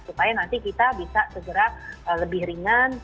supaya nanti kita bisa segera lebih ringan